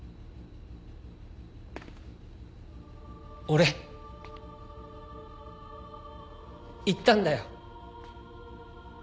俺行ったんだよ。